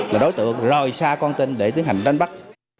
là đối tượng rời xa con tin để tiến hành đánh bắt